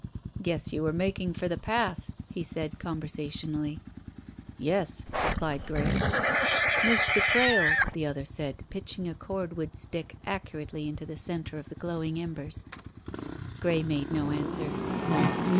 "Guess you were making for the Pass," he said conversationally. "Yes," replied Grey. "Missed the trail," the other said, pitching a cord wood stick accurately into the centre of the glowing embers. Grey made no answer.